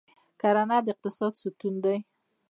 کرهڼه د اقتصاد ستون دی